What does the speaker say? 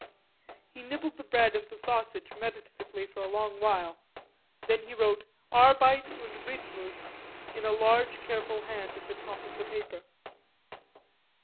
He nibbled the bread and the sausage meditatively for a long while, then wrote "Arbeit und Rhythmus" in a large careful hand at the top of the paper.